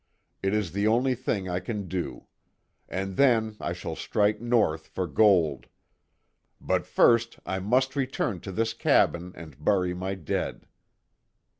It is the only thing I can do. And then I shall strike North for gold. But first I must return to this cabin and bury my dead.